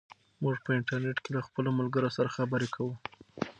موږ په انټرنیټ کې له خپلو ملګرو سره خبرې کوو.